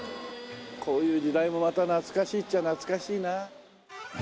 こういう時代もまた懐かしいっちゃ懐かしいな。